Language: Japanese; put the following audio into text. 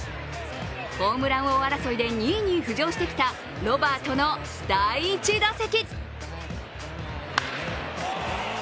ホームラン王争いで２位に浮上してきたロバートの第１打席。